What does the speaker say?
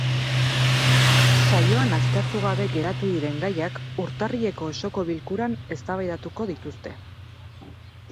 Saioan aztertu gabe geratu diren gaiak urtarrileko osoko bilkuran eztabaidatuko dituzte.